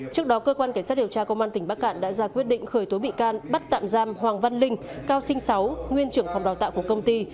trước đó cơ quan cảnh sát điều tra công an tỉnh bắc cạn đã ra quyết định khởi tố bị can bắt tạm giam hoàng văn linh cao sinh sáu nguyên trưởng phòng đào tạo của công ty